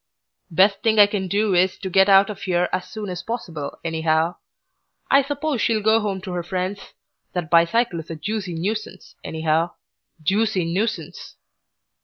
"Best thing we can do is to set out of here as soon as possible, anyhow. I suppose she'll go home to her friends. That bicycle is a juicy nuisance, anyhow. Juicy nuisance!"